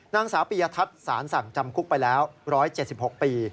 นางสาวปียทัศน์สารสั่งจำคุกไปแล้ว๑๗๖ปี